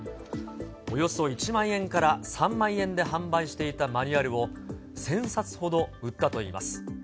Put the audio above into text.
およそ１万円から３万円で販売していたマニュアルを、１０００冊ほど売ったといいます。